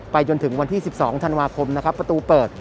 จนถึงวันที่๑๒ธันวาคมนะครับประตูเปิด